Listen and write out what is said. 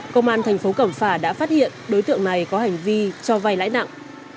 công an tp cẩm phả đã phát hiện đối tượng này có hành vi cho vay lãi nặng